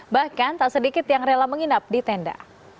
bahkan tak sedikit yang rela menginap di tenda